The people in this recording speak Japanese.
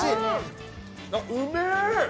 あ、うめえ！